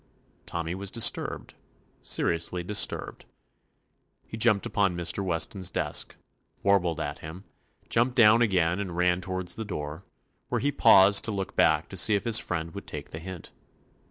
Tommy was disturbed, — seri ously disturbed. He jumped upon Mr. Weston's desk, warbled at him; jumped down again and ran toward the door, where he paused to look back to see if his friend would take the hint.